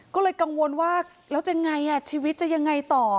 ก็เลยกังวลว่าแล้วจะยังไงชีวิตจะยังไงต่อ